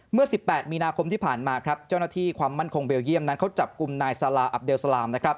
เมื่อ๑๘มีนาคมที่ผ่านมาเจ้าหน้าที่ความมั่นคงเบียลเยี่ยม